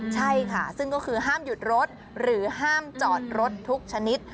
ใช่ค่ะซึ่งก็คือห้ามหยุดรถหรือห้ามจอดรถทุกชนิด